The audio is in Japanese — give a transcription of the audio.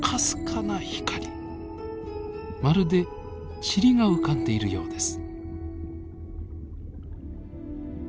まるでちりが浮かんでいるようです。